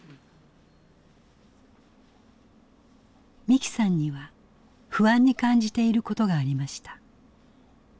美紀さんには不安に感じていることがありました。